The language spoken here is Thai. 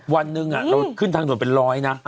วันหนึ่งเราขึ้นทางด่วนเป็นร้อยนะ